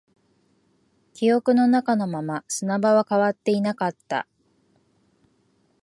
記憶の中のまま、砂場は変わっていなかった